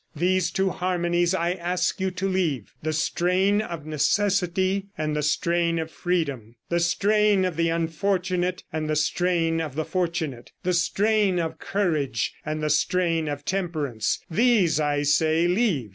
These two harmonies I ask you to leave; the strain of necessity and the strain of freedom, the strain of the unfortunate and the strain of the fortunate, the strain of courage and the strain of temperance; these, I say, leave."